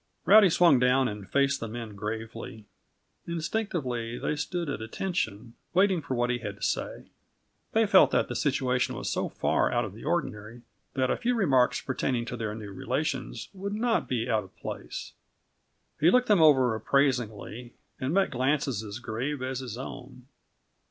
Rowdy swung down and faced the men gravely. Instinctively they stood at attention, waiting for what he had to say; they felt that the situation was so far out of the ordinary that a few remarks pertaining to their new relations would not be out of place. He looked them over appraisingly, and met glances as grave as his own.